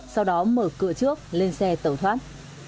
sau đó mở cửa trước lên xe tẩu thoát